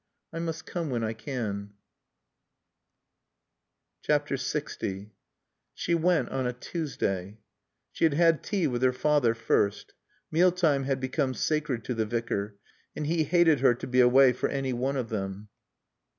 "I must come when I can." LX She went on a Tuesday. She had had tea with her father first. Meal time had become sacred to the Vicar and he hated her to be away for any one of them.